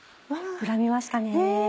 膨らみましたね。